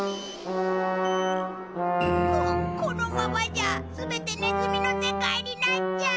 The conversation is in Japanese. ここのままじゃすべてネズミの世界になっちゃう。